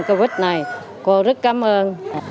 covid này cô rất cảm ơn